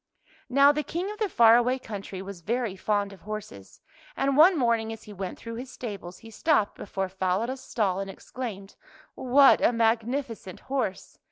Now the King of the far away countiy was very fond of horses, and one morning as he went through his stables he stopped before Falada's stall and exclaimed, " What a magnificent horse!